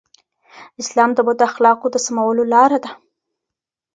اسلام د بدو اخلاقو د سمولو لاره ده.